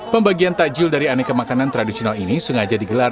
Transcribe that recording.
pembagian takjil dari aneka makanan tradisional ini sengaja digelar